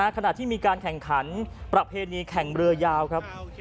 ขณะที่มีการแข่งขันประเพณีแข่งเรือยาวครับ